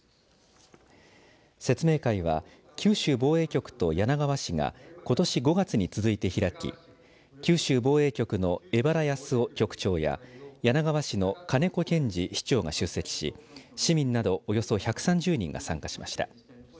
説明会は九州防衛局と柳川市がことし５月に続いて開き九州防衛局の江原康雄局長や柳川市の金子健次市長が出席し市民などおよそ１３０人が参加しました。